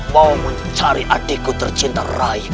mau mencari adikku tercinta raden surawisesa